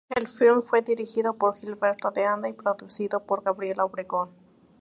El film fue dirigido por Gilberto de Anda y producido por Gabriela Obregón.